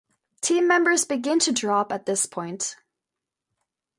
Team members begin to drop at this point.